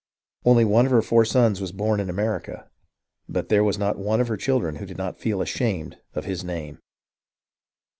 Only one of her four sons was born in America, but there was not one of her children who did not feel ashamed of his name.